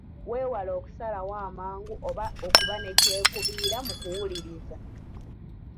Weewale okusalawo amangu oba okuba ne kyekubiira mu kuwuliriza.